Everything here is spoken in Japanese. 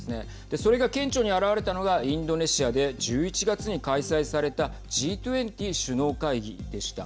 それが顕著に現れたのがインドネシアで１１月に開催されたＧ２０首脳会議でした。